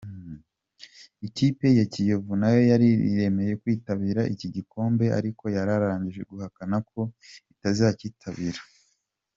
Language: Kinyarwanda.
Ikipe ya Kiyovu nayo yari yemeye kwitabira iki gikombe ariko yararangije guhakana ko itazacyitabira.